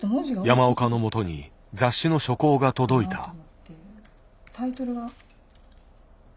山岡のもとに雑誌の初稿が届いた。